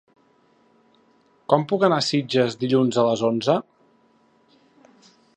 Com puc anar a Sitges dilluns a les onze?